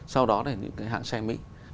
sau đó là những hãng xe mỹ